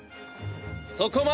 そこまで。